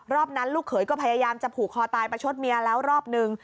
รอบนั้นลูกเขยก็พยายามจะผูกคอตายประชดเมียแล้วรอบนึง